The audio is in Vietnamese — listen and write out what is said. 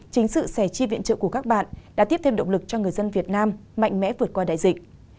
chính sự sẻ chia viện trợ của các bạn đã tiếp thêm động lực cho người dân việt nam mạnh mẽ vượt qua đại dịch